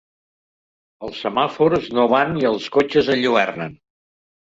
Els semàfors no van i els cotxes enlluernen.